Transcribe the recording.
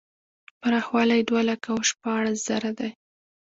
پراخوالی یې دوه لکه او شپاړس زره دی.